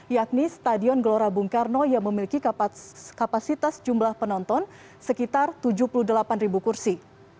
yakni stadion gelora bung karno yang memiliki kapasitas jumlah penonton sekitar tujuh puluh delapan kursi